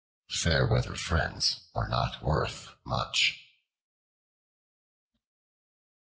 Fair weather friends are not worth much.